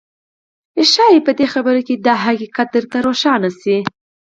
ښايي په دې خبره کې دا حقيقت درته روښانه شي.